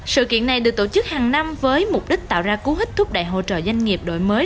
sự kiện này được tổ chức hàng năm với mục đích tạo ra cú hít thúc đẩy hỗ trợ doanh nghiệp đổi mới